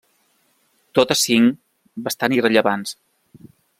Totes cinc bastant irrellevants.